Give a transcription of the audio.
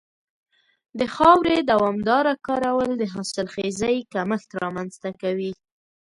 د خاورې دوامداره کارول د حاصلخېزۍ کمښت رامنځته کوي.